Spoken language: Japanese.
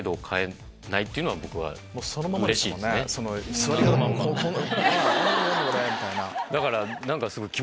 座り方もこんな。